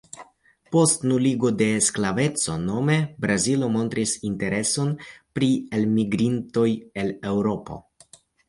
Post nuligo de sklaveco nome Brazilo montris intereson pri elmigrintoj el Eŭropo.